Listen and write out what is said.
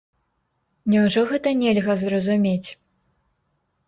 Няўжо гэта нельга зразумець?